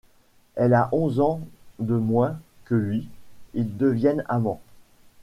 Elle a onze ans de moins que lui, ils deviennent amants.